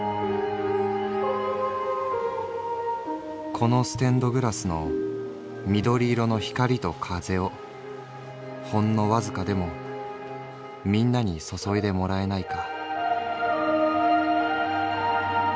「このステンドグラスの緑色の光りと風をほんの僅かでもみんなに注いでもらえないか」。